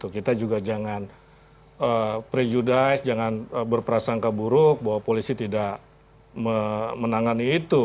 kita juga jangan prejudice jangan berprasangka buruk bahwa polisi tidak menangani itu